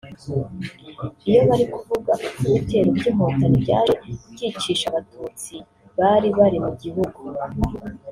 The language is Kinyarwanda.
Iyo bari kuvuga uko ibitero by’inkotanyi byaje byicisha abatutsi bari bari mu gihugu